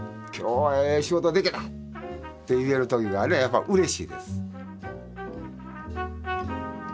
今日はええ仕事でけた！って言える時がやっぱうれしいです。